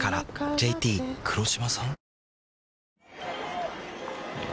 ＪＴ黒島さん？